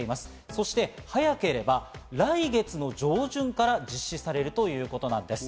そして早ければ来月の上旬から実施されるということなんです。